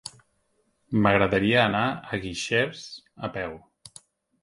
M'agradaria anar a Guixers a peu.